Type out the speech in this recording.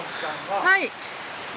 はい。